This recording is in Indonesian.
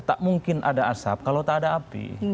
tak mungkin ada asap kalau tak ada api